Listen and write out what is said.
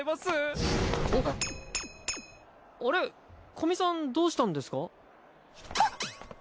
古見さんどうしたんですか？